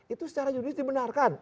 itu secara juridis dibenarkan